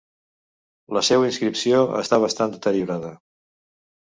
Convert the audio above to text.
La seua inscripció està bastant deteriorada.